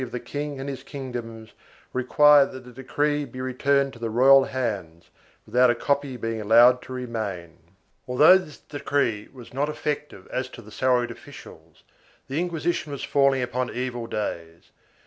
516 CONFLICTING JURISDICTIONS [BOOK II the king and his kingdoms require that the decree be returned to the royal hands, without a copy being allowed to remain.1 Although this decree was not effective as to the salaried offi cials, the Inquisition was falling upon evil days.